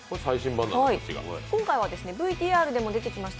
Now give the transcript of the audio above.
今回はＶＴＲでも出てきました